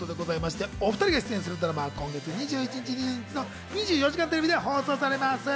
お２人が出演するドラマは今月２１日２２日の『２４時間テレビ』で放送されます。